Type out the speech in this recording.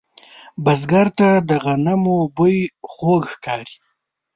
بزګر ته د غنمو بوی خوږ ښکاري